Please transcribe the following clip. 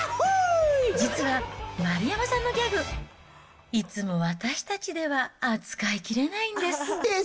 実は丸山さんのギャグ、いつも私たちでは扱いきれないんです。